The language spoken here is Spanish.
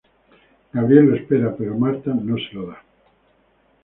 Gabriel lo espera pero Martha no se lo da.